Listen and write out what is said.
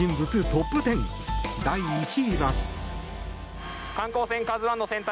トップ１０第１位は。